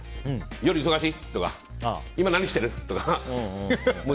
夜忙しい？とか今何してる？とか。